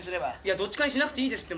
どっちかにしなくていいですって。